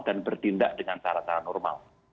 dan berdindak dengan cara cara normal